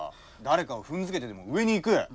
誰かを踏んづけてでも上に行く。